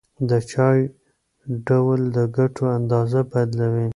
د چای ډول د ګټو اندازه بدلوي.